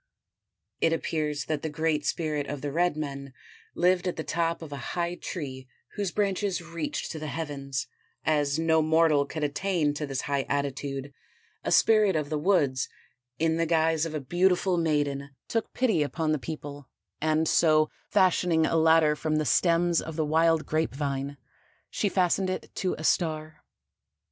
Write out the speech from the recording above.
It appears that the Great Spirit of the red men lived at the top of a high tree whose branches reached to the heavens; as no mortal could attain to this high attitude, a spirit of the woods, in the guise of a beautiful maiden, took pity upon the people and so fashioning a ladder from the stems of the wild grape vine, she fastened it to a star.